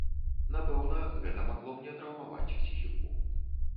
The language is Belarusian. Напэўна, гэта магло мне траўмаваць псіхіку.